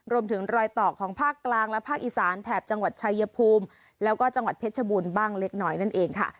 รอยต่อของภาคกลางและภาคอีสานแถบจังหวัดชายภูมิแล้วก็จังหวัดเพชรบูรณ์บ้างเล็กน้อยนั่นเองค่ะ